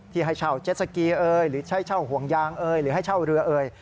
ที่ให้เช่าเจ็ดสกีหรือให้เช่าห่วงยางหรือให้เช่าเรือ